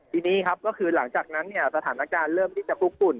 ทีนี้ก็คือหลังจากนั้นสถานการณ์เริ่มที่จะปลุกปุ่น